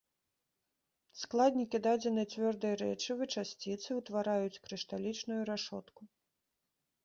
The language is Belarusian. Складнікі дадзенай цвёрдай рэчывы часціцы ўтвараюць крышталічную рашотку.